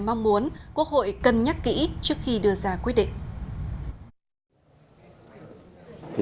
mong muốn quốc hội cân nhắc kỹ trước khi đưa ra quyết định